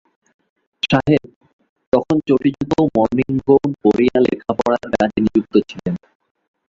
সাহেব, তখন চটিজুতা ও মর্নিংগৌন পরিয়া লেখাপড়ার কাজে নিযুক্ত ছিলেন।